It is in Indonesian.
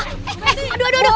eh aduh aduh aduh